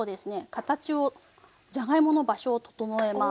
形をじゃがいもの場所を整えます。